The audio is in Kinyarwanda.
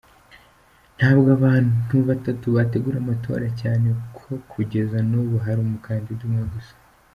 Ntabwo abantu batatu bategura amatora cyane ko kugeza n’ubu hari umukandida umwe gusa”.